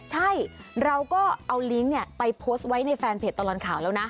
ใช่เราก็เอาลิงก์ไปโพสต์ไว้ในแฟนเพจตลอดข่าวแล้วนะ